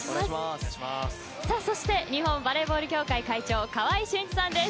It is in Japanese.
そして日本バレーボール協会会長川合俊一さんです。